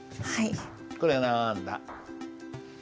これはなんだ？